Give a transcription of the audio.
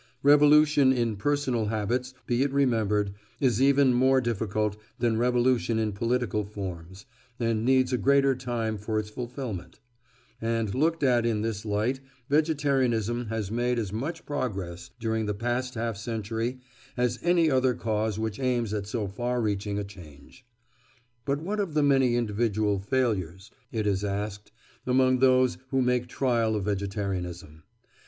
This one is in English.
Revolution in personal habits, be it remembered, is even more difficult than revolution in political forms, and needs a greater time for its fulfilment, and, looked at in this light, vegetarianism has made as much progress during the past half century as any other cause which aims at so far reaching a change. But what of the many individual failures, it is asked, among those who make trial of vegetarianism?